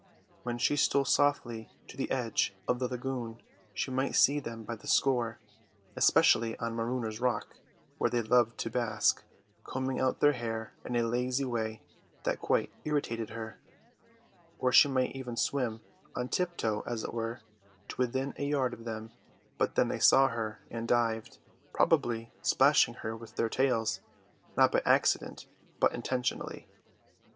When she stole softly to the edge of the lagoon she might see them by the score, especially on Marooners' Rock, where they loved to bask, combing out their hair in a lazy way that quite irritated her; or she might even swim, on tiptoe as it were, to within a yard of them, but then they saw her and dived, probably splashing her with their tails, not by accident, but intentionally.